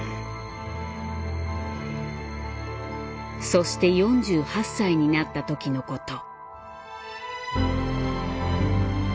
そして４８歳になった時のこと。